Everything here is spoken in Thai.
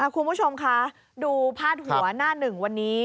คุณผู้ชมคะดูพาดหัวหน้าหนึ่งวันนี้